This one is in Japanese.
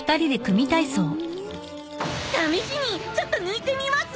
試しにちょっと抜いてみます！？